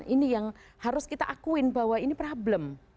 ini yang harus kita akuin bahwa ini problem